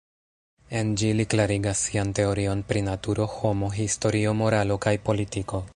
En ĝi li klarigas sian teorion pri naturo, homo, historio, moralo kaj politiko.